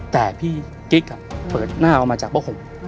แต่พี่กิ๊กเปิดหน้าออกมาจากผ้าห่ม